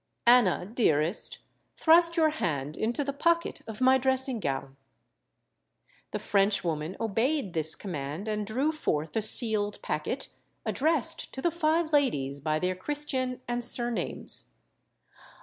Anna, dearest—thrust your hand into the pocket of my dressing gown." The French woman obeyed this command, and drew forth a sealed packet, addressed to the five ladies by their christian and surnames.